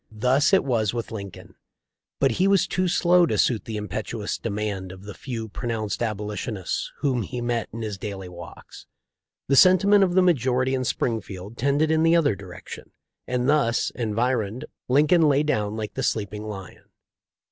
" Thus it was with Lin coln. But he was too slow to suit the impetuous demand of the few pronounced Abolitionists whom he met in his daily walks. The sentiment of the majority in Springfield tended in the other direc tion, and thus environed, Lincoln lay down like the sleeping lion.